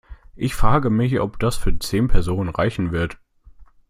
Ich frag' mich, ob das für zehn Personen reichen wird!?